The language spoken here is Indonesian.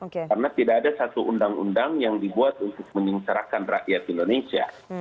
karena tidak ada satu undang undang yang dibuat untuk menyingkarakan rakyat indonesia